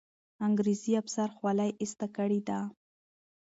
انګریزي افسر خولۍ ایسته کړې ده.